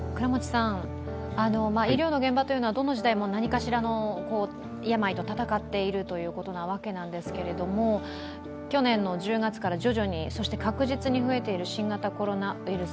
医療の現場というのはどの時代も何かしらの病と闘っているわけなんですけれども去年の１０月から徐々に、そして確実に増えている新型コロナウイルス。